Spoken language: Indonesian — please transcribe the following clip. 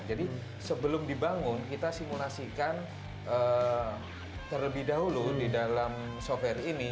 jadi sebelum dibangun kita simulasikan terlebih dahulu di dalam software ini